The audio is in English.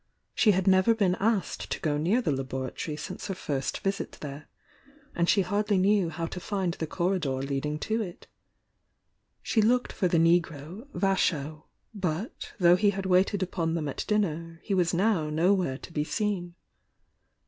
She had never been asked to go near th^ laboratory since her first visit there, and she hardly knew how to find the corridor leading to it. She looked for the negro, Vasho, but though he had waited upon them at dinner he was now nowhere to be seen.